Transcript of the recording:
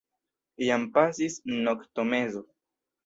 Jam pasis noktomezo.